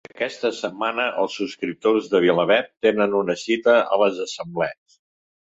Aquesta setmana els subscriptors de VilaWeb tenen una cita a les Assemblees